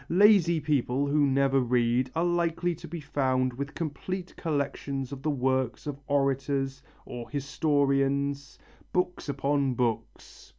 Lazy people, who never read, are likely to be found with complete collections of the works of orators or historians, books upon books.